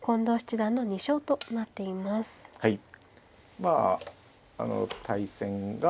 まあ対戦が。